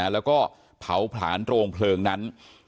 แล้วก็เผาผลาญโรงเพลิงนั้น